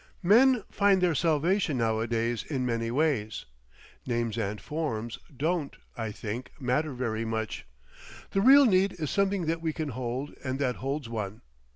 Men find their salvation nowadays in many ways. Names and forms don't, I think, matter very much; the real need is something that we can hold and that holds one.